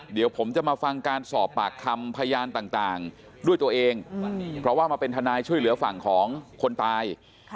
เดี๋ยวผมจะมาฟังการสอบปากคำพยานต่างด้วยตัวเองเพราะว่ามาเป็นทนายช่วยเหลือฝั่งของคนตาย